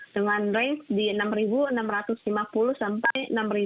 dengan range di enam enam ratus lima puluh sampai enam sembilan ratus tujuh puluh